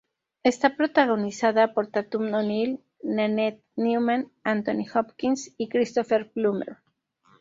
Está protagonizada por Tatum O'Neal, Nanette Newman, Anthony Hopkins y Christopher Plummer.